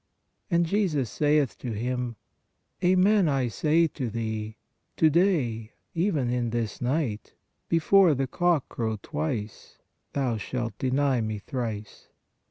And Jesus saith to him: Amen I say to thee, to day, even in this night, before the cock crow twice, thou shalt deny Me thrice.